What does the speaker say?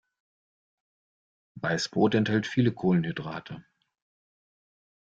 Weißbrot enthält viele Kohlenhydrate.